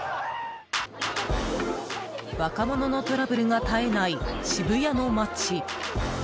若者のトラブルが絶えない渋谷の街。